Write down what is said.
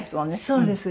そうです。